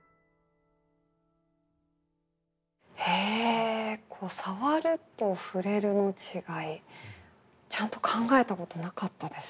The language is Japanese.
へえさわるとふれるの違いちゃんと考えたことなかったです。